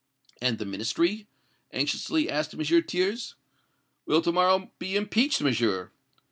"And the Ministry?" anxiously asked M. Thiers. "Will to morrow be impeached, Monsieur!"